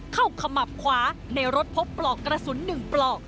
ขมับขวาในรถพบปลอกกระสุน๑ปลอก